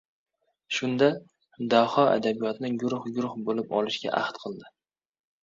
Shunda, Daho Adabiyotni guruh-guruh bo‘lib olishga ahd qildi.